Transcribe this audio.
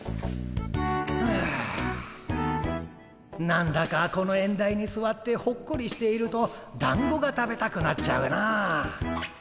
何だかこの縁台にすわってほっこりしているとだんごが食べたくなっちゃうな。